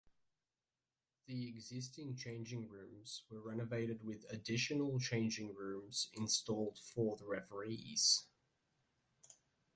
The existing changing rooms were renovated with additional changing rooms installed for the referees.